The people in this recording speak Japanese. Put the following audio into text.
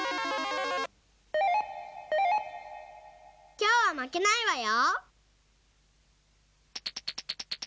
きょうはまけないわよ。